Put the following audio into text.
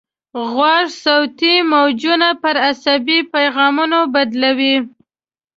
غوږ صوتي موجونه پر عصبي پیغامونو بدلوي.